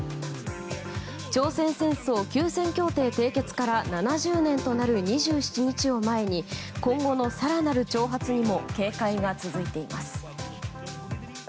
朝鮮戦争休戦協定締結から７０年となる２７日を前に今後の更なる挑発にも警戒が続いています。